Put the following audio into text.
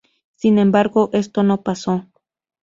Sin embargo esto no pasó.